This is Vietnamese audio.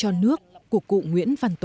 hết mình cho dân cho nước của cụ nguyễn văn tố